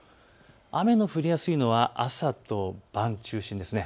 雨の降りやすいのは朝と晩中心です。